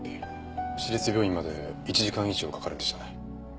市立病院まで１時間以上かかるんでしたね。